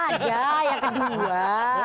ada yang kedua